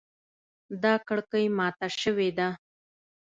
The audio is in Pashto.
دا کړکۍ ماته شوې ده